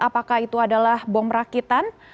apakah itu adalah bom rakitan